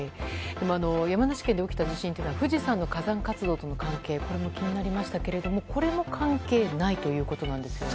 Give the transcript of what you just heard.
山梨県で起きた地震は富士山の火山活動との関係も気になりましたけどこれも関係ないということですね。